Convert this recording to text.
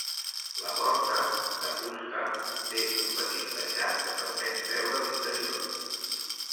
La porta, de fusta, té un petit reixat que permet veure l'interior.